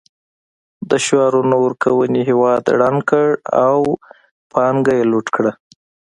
د شعارونو ورکونکو هېواد ړنګ کړ او پانګه یې لوټ کړه